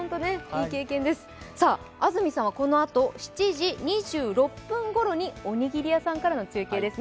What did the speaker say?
安住さんはこのあと７時２６分ごろにおにぎり屋さんからの中継です。